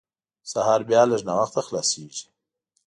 سهار بیا لږ ناوخته خلاصېږي.